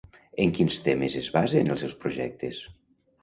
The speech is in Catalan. En quins temes es basen els seus projectes?